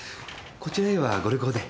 こちらへはご旅行で？